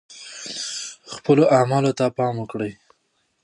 خپلو اعمالو ته پام وکړئ.